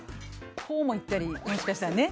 こうもいったりもしかしたらね